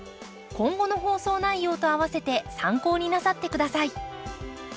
今後の放送内容とあわせて参考になさって下さい。